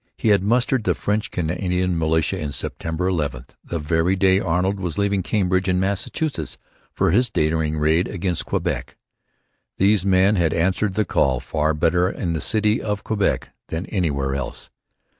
He had mustered the French Canadian militia on September 11, the very day Arnold was leaving Cambridge in Massachusetts for his daring march against Quebec. These men had answered the call far better in the city of Quebec than anywhere else.